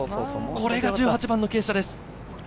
これが１８番の傾斜です。